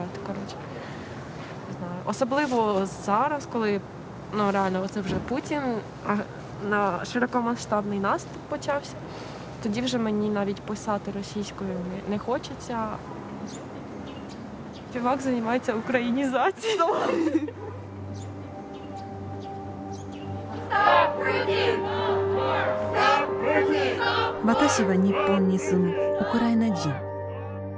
私は日本に住むウクライナ人。